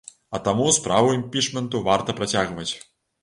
А таму справу імпічменту варта працягваць.